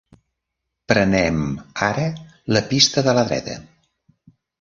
Prenem, ara, la pista de la dreta.